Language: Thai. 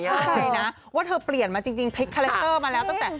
เข้าใจนะว่าเธอเปลี่ยนมาจริงพลิกคาแรคเตอร์มาแล้วตั้งแต่